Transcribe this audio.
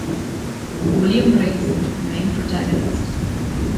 William Race The main protagonist.